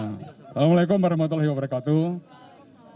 assalamu alaikum warahmatullahi wabarakatuh